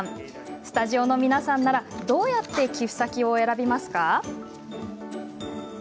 スタジオの皆さんならどうやって寄付先を選びますか？